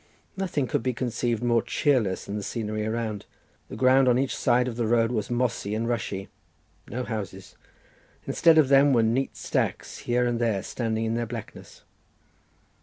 Nothing could be conceived more cheerless than the scenery around. The ground on each side of the road was mossy and rushy—no houses—instead of them were peat stacks, here and there, standing in their blackness.